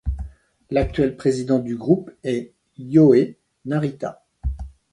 L'actuel président du groupe est Hyoe Narita.